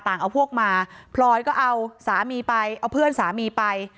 เอาพวกมาพลอยก็เอาสามีไปเอาเพื่อนสามีไป